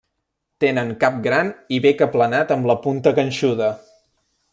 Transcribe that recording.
Tenen cap gran i bec aplanat amb la punta ganxuda.